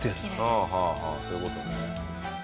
はあはあはあそういう事ね。